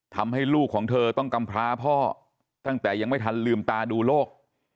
ทำให้ลูกของเธอต้องกำพร้าพ่อตั้งแต่ยังไม่ทันลืมตาดูโรค